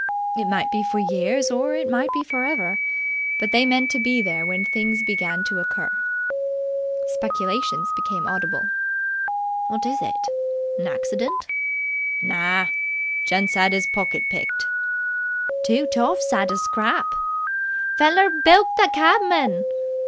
It might be for years or it might be for ever, but they meant to be there when things began to occur. Speculations became audible. "Wot is it? 'Naccident?" "Nah! Gent 'ad 'is pocket picked!" "Two toffs 'ad a scrap!" "Feller bilked the cabman!"